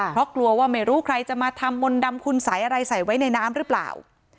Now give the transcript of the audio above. เพราะกลัวว่าไม่รู้ใครจะมาทำมนต์ดำคุณสัยอะไรใส่ไว้ในน้ำหรือเปล่า